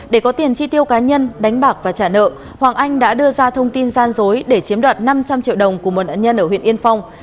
để có tiền chi tiêu cá nhân đánh bạc và trả nợ hoàng anh đã đưa ra thông tin gian dối để chiếm đoạt năm trăm linh triệu đồng của một nạn nhân ở huyện yên phong